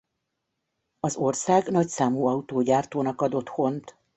Az ország nagyszámú autógyártónak ad otthont.